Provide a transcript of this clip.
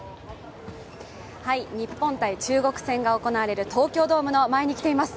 日本×中国戦が行われる東京ドームの前に来ています。